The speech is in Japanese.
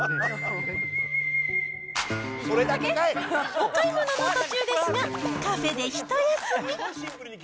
お買い物の途中ですが、カフェでひと休み。